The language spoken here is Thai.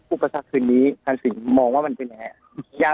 อุปสรรคคืนนี้พรานสิงห์มองว่ามันเป็นไง